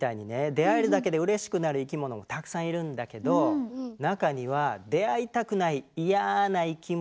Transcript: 出会えるだけでうれしくなる生き物もたくさんいるんだけど中には出会いたくないいやな生き物もいるんです。